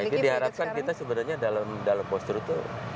nah ini diharapkan kita sebenarnya dalam postur itu